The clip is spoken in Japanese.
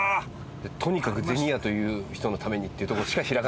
とにかく銭やという人のためにっていうところしか開かない。